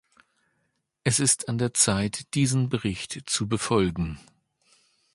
Es ist an der Zeit, diesen Bericht zu befolgen.